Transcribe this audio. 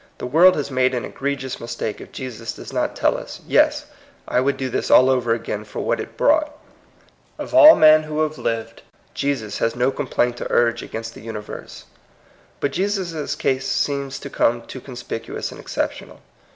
The world has made an egregious mistake if Jesus does not tell us, ^^Yes, I would do this all over again for what it brought !" Of all men who have lived, Jesus has no complaint to urge against the universe. But Jesus' case seems to some too con spicuous and exceptional.